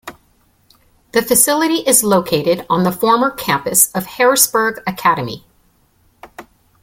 The facility is located on the former campus of Harrisburg Academy.